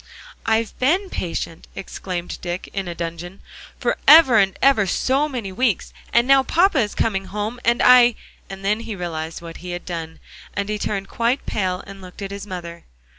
"I've been patient," exclaimed Dick, in a dudgeon, "forever and ever so many weeks, and now papa is coming home, and I" And then he realized what he had done, and he turned quite pale, and looked at his mother.